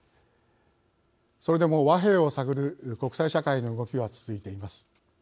それでも、和平を探る国際社会の動きは続いています。